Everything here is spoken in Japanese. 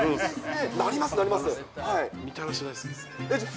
みたらし、大好きですね。